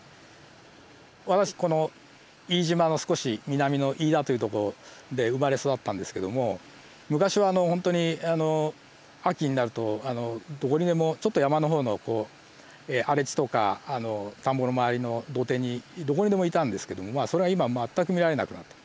私この飯島の少し南の飯田という所で生まれ育ったんですけども昔はほんとに秋になるとどこにでもちょっと山の方の荒れ地とか田んぼの周りの土手にどこにでもいたんですけどもそれは今全く見られなくなった。